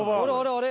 あれ？